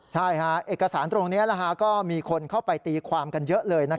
ใช่เอกสารตรงนี้ก็มีคนเข้าไปตีความกันเยอะเลย